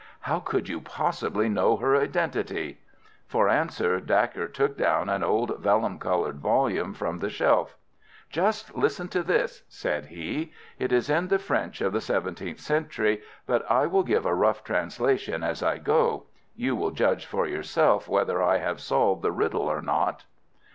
"How could you possibly know her identity?" For answer Dacre took down an old vellum covered volume from the shelf. "Just listen to this," said he; "it is in the French of the seventeenth century, but I will give a rough translation as I go. You will judge for yourself whether I have solved the riddle or not.